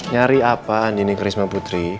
nyari apaan dinik risma putri